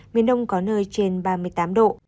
miền đông có nơi trên ba mươi tám độ